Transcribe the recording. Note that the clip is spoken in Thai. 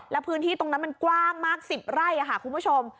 แล้วพื้นที่ตรงนั้นมันกว้างมาก๑๐ไร่ค่ะคุณผู้ชม